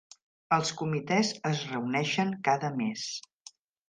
Els comitès es reuneixen cada mes.